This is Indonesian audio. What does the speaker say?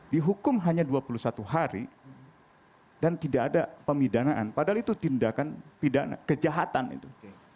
dihukum hanya dua puluh satu hari dan tidak ada pemidanaan padahal itu tindakan kejahatan itu